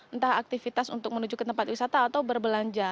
entah aktivitas untuk menuju ke tempat wisata atau berbelanja